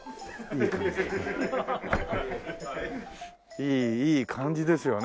いい感じですよね。